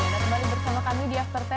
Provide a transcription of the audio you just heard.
dan kembali bersama kami di after sepuluh